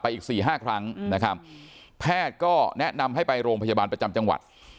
อีกสี่ห้าครั้งนะครับแพทย์ก็แนะนำให้ไปโรงพยาบาลประจำจังหวัด